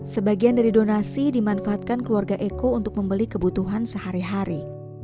sebagian dari donasi dimanfaatkan keluarga eko untuk membeli kebutuhan sehari hari